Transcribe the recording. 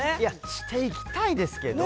していきたいですけど。